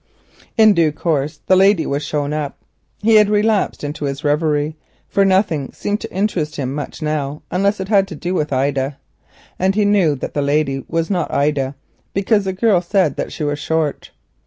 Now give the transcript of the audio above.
In due course the lady was shown up. He had relapsed into his reverie, for nothing seemed to interest him much now unless it had to do with Ida—and he knew that the lady could not be Ida, because the girl said that she was short.